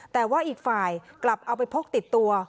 แต่ว่าอีกฝ่ายกลับเอาไปพกติดตัว